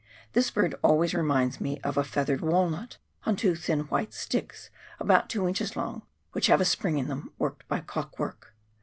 This bird always reminds me of a feathered walnut on two thin white sticks about two inches long, which have a spring in them, worked by clock work.